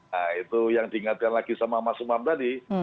nah itu yang diingatkan lagi sama mas umam tadi